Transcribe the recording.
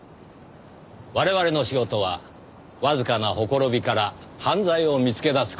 我々の仕事はわずかなほころびから犯罪を見つけ出す事だと。